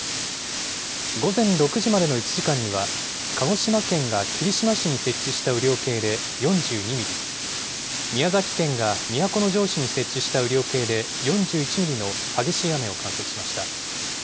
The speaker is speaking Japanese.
午前６時までの１時間には、鹿児島県が霧島市に設置した雨量計で４２ミリ、宮崎県が都城市に設置した雨量計で４１ミリの激しい雨を観測しました。